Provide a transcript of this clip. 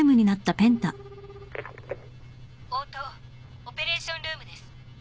☎☎応答オペレーションルームです。